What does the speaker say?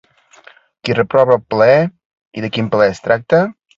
Qui reprova el plaer, i de quin plaer es tracta?